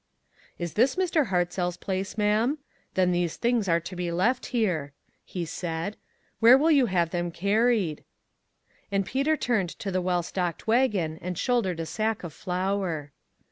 "Is this Mr. Hartzell's place, ma'am? "LABORERS TOGETHER." 239 Then these things are to be left here," he said. "Where will you have them carried?" And Peter turned to the well stocked wagon and shouldered a sack of flour.